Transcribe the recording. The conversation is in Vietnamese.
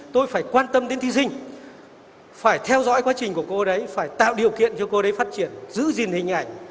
tôi phải quan tâm đến thí sinh phải theo dõi quá trình của cô đấy phải tạo điều kiện cho cô đấy phát triển giữ gìn hình ảnh